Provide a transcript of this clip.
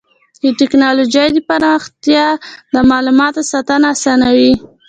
د ټکنالوجۍ پراختیا د معلوماتو ساتنه اسانوي.